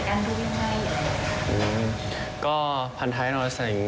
ว่ามีความสำคัญอย่างไรทำไมต้องดู